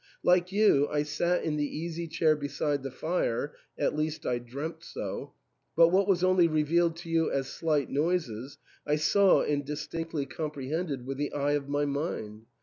Like you, I sat in the easy chair beside the fire (at least I dreamt so) ; but what was only revealed to you as slight noises I saw and distinctly comprehended with the eye of my mind.